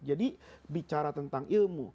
jadi bicara tentang ilmu